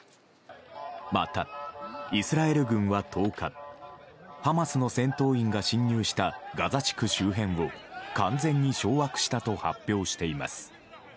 また、イスラエル軍は１０日ハマスの戦闘員が侵入したガザ地区周辺を完全に掌握したと発表しています。